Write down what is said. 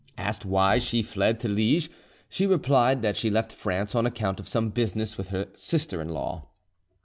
Asked why she fled to Liege, she replied that she left France on account of some business with her sister in law.